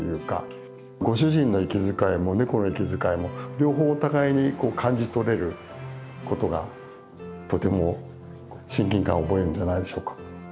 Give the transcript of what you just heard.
ご主人の息遣いもネコの息遣いも両方お互いに感じ取れることがとても親近感を覚えるんじゃないでしょうか。